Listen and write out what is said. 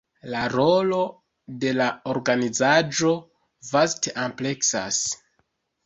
La rolo de la organizaĵo vaste ampleksas.